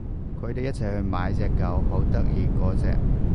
佢哋一齊去買隻狗，好得意嗰隻